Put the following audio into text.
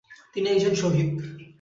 তিনি একজন শহীদ।